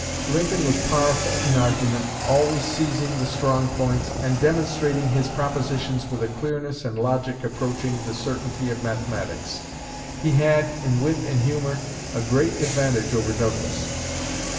Lincoln was powerful in argument, always seizing the strong points, and demonstrating his propositions with a clearness and logic approaching the certainty of mathematics. He had, in wit and humor, a great advantage over Douglas.